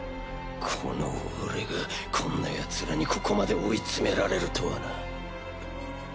この俺がこんなヤツらにここまで追いつめられるとはな。